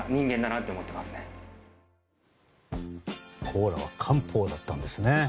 コーラは漢方だったんですね。